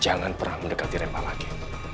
jangan pernah mendekati rempah lagi